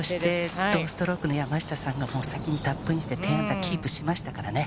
ストロークの山下さんがもう先にカップインして、１０アンダー、キープしましたからね。